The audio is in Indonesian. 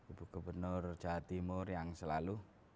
ibu gubernur jawa timur yang selalu